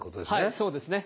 はいそうですね。